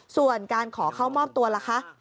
ส่วนการขอเข้ามอบตัวล่ะคะ